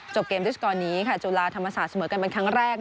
เกมด้วยสกอร์นี้ค่ะจุฬาธรรมศาสตร์เสมอกันเป็นครั้งแรก